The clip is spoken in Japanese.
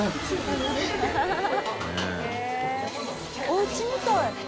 おうちみたい。